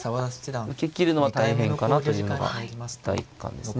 受けきるのは大変かなというのが第一感ですね。